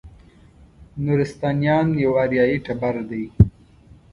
نورستانیان یو اریایي ټبر دی.